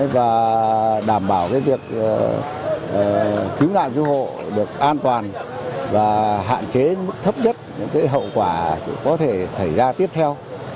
và đảm bảo việc cứu nạn cứu hộ được an toàn và hạn chế thấp nhất những hậu quả có thể xảy ra tiếp theo